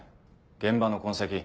現場の痕跡